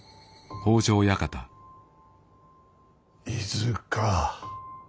伊豆か。